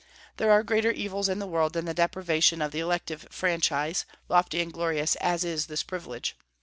There are greater evils in the world than the deprivation of the elective franchise, lofty and glorious as is this privilege.